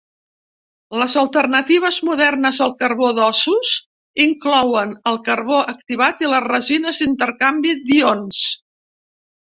Les alternatives modernes al carbó d'ossos inclouen el carbó activat i les resines d'intercanvi d'ions.